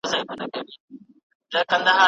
د ږیري خاوند ډنډ ته د چاڼ ماشین وړی دی.